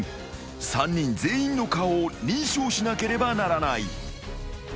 ３人全員の顔を認証しなければならない］